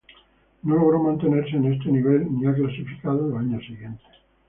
No logró mantenerse en este nivel ni ha clasificado en los años siguientes.